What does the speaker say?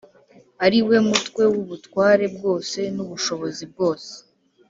ari we Mutwe w’ubutware bwose n’ubushobozi bwose